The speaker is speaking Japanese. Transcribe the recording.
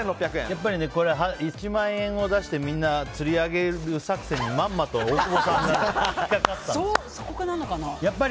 やっぱり１万円を出してみんなをつり上げる作戦にまんまと大久保さんが引っ掛かった。